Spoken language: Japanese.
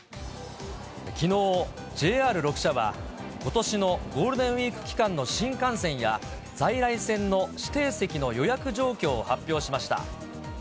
きのう、ＪＲ６社は、ことしのゴールデンウィーク期間の新幹線や在来線の指定席の予約状況を発表しました。